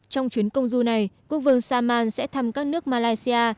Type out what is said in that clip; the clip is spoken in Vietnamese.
trong chuyến công du này quốc vương saman sẽ thăm các nước malaysia